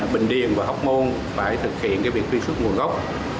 bình điền và học môn phải thực hiện cái việc truy xuất nguồn gốc